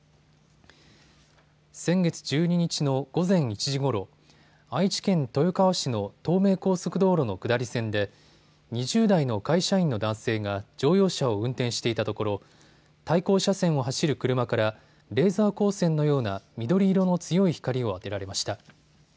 先月１２日の午前１時ごろ、愛知県豊川市の東名高速道路の下り線で２０代の会社員の男性が乗用車を運転していたところ対向車線を走る車からレーザー光線のような緑色の強い光を当てられました。